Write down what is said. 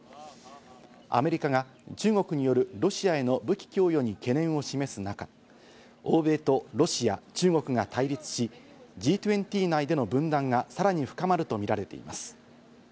アメリカが中国によるロシアへの武器供与に懸念を示す中、欧米とロシア・中国が対立し、Ｇ２０内での分断がさらに深まるとみられています。